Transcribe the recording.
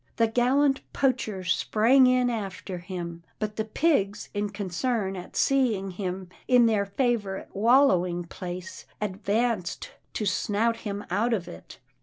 The gallant Poacher sprang in after him, but the pigs in concern at seeing him PERLETTA MAKES AN EXPLANATION 311 in their favourite wallowing place, advanced to snout him out of it.